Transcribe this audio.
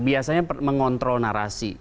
biasanya mengontrol narasi